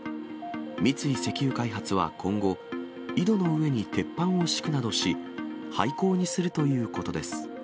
三井石油開発は今後、井戸の上に鉄板を敷くなどし、廃坑にするということです。